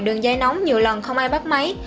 đường dây nóng nhiều lần không ai bắt máy